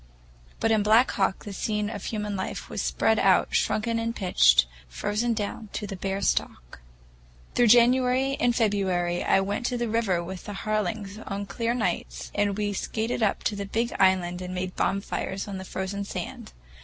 But in Black Hawk the scene of human life was spread out shrunken and pinched, frozen down to the bare stalk. Through January and February I went to the river with the Harlings on clear nights, and we skated up to the big island and made bonfires on the frozen sand.